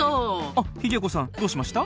あっヒゲ子さんどうしました？